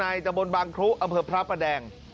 นายจบลบางครุวอเผิดพระประแดง